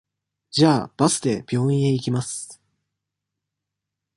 じゃあ、バスで病院へ行きます。